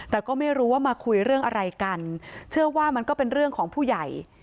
แต่ก็ไม่รู้ว่ามาคุยเรื่องอะไรกันเชื่อว่ามันก็เป็นเรื่องของผู้ใหญ่